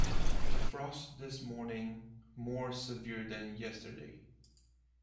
The frost this Morning more severe than Yesterday.